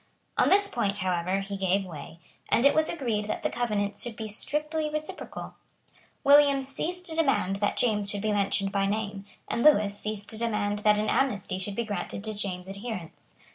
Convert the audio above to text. On this point, however, he gave way; and it was agreed that the covenants should be strictly reciprocal. William ceased to demand that James should be mentioned by name; and Lewis ceased to demand that an amnesty should be granted to James's adherents.